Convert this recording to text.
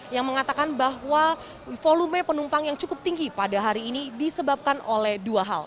yang mengatakan bahwa volume penumpang yang cukup tinggi pada hari ini disebabkan oleh dua hal